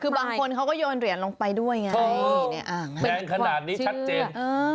คือบางคนเขาก็โยนเหรียญลงไปด้วยไงแดงขนาดนี้ชัดเจน